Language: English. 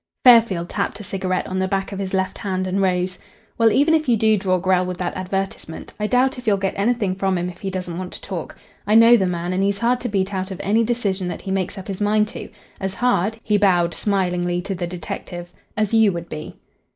Fairfield tapped a cigarette on the back of his left hand and rose. "Well, even if you do draw Grell with that advertisement, I doubt if you'll get anything from him if he doesn't want to talk. I know the man, and he's hard to beat out of any decision that he makes up his mind to, as hard" he bowed smilingly to the detective "as you would be."